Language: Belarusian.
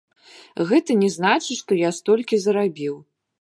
Гэта не значыць, што я столькі зарабіў.